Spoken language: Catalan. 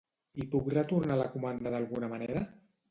I puc retornar la comanda d'alguna manera?